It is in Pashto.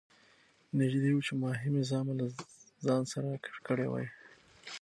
نږدې وو چې ماهي مې زامه له ځان سره راکش کړې وای.